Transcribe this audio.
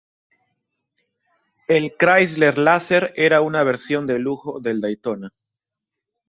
El Chrysler Laser era una versión de lujo del Daytona.